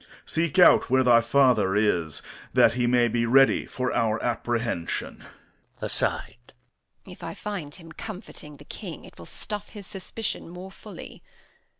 Seek out where thy father is, that he may be ready for our apprehension. Edm. [aside] If I find him comforting the King, it will stuff his suspicion more fully.